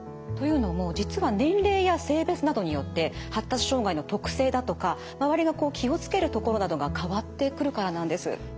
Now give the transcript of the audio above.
というのも実は年齢や性別などによって発達障害の特性だとか周りが気を付けるところなどが変わってくるからなんです。